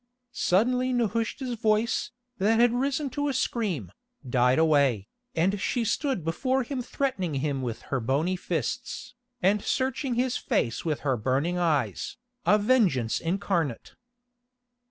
Suddenly Nehushta's voice, that had risen to a scream, died away, and she stood before him threatening him with her bony fists, and searching his face with her burning eyes, a vengeance incarnate.